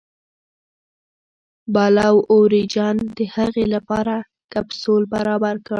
بلو اوریجن د هغې لپاره کپسول برابر کړ.